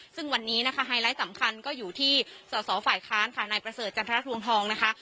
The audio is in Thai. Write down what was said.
ซึ่งวันนี้นะคะไฮไลท์สำคัญก็อยู่ที่สอสอฝ่ายค้านค่ะนายประเสริฐจันทรวงทองนะคะ